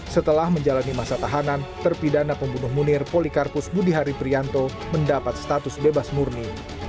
setelah menjalani masa tahanan terpidana pembunuh munir polikarpus budihari prianto mendapat status bebas murni